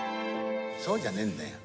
「そうじゃねえんだよ。